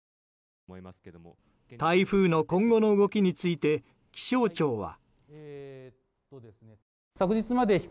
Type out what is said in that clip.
台風の今後の動きについて気象庁は。